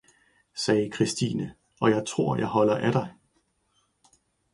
sagde Christine, og jeg tror, at jeg holder af dig!